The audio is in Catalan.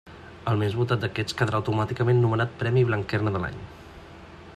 El més votat d'aquests quedarà automàticament nomenat Premi Blanquerna de l'any.